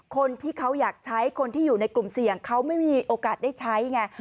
คนที่เขาอยากใช้คนที่อยู่ในกลุ่มเสี่ยงเขาไม่มีโอกาสได้ใช้ไง